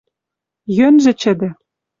— Йӧнжӹ чӹдӹ.